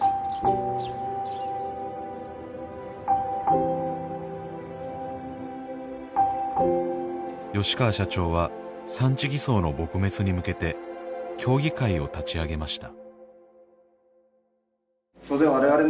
上吉川社長は産地偽装の撲滅に向けて協議会を立ち上げました